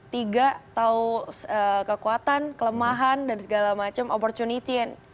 tiga tahu kekuatan kelemahan dan segala macam opportunity